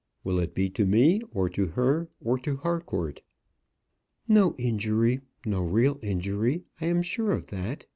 Will it be to me, or to her, or to Harcourt?" "No injury, no real injury I am sure of that.